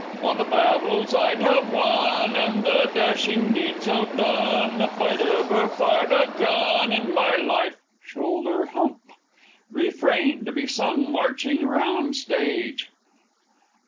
Oh, the battles I'd have won, And the dashing deeds have done, If I'd ever fired a gun In my life! Shoulder Hump! _Refrain (to be sung marching round Stage).